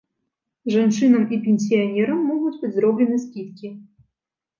Жанчынам і пенсіянерам могуць быць зроблены скідкі.